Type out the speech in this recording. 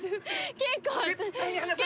結構。